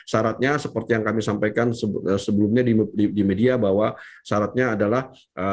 syaratnya seperti yang kami sampaikan sebelumnya di media bahwa syaratnya adalah